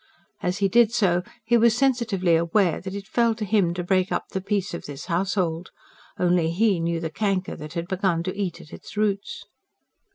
As he did so, he was sensitively aware that it fell to him to break up the peace of this household. Only he knew the canker that had begun to eat at its roots.